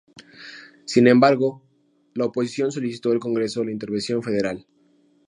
Sin embargo, la oposición solicitó al Congreso la intervención Federal.